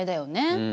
うん。